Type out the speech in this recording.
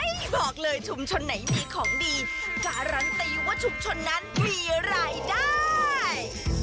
บอกเลยชุมชนไหนมีของดีการันตีว่าชุมชนนั้นมีรายได้